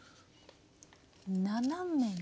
斜めに。